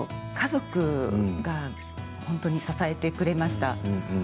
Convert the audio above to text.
家族が本当に支えてくれました。